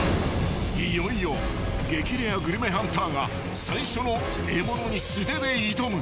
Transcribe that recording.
［いよいよ激レアグルメハンターが最初の獲物に素手で挑む］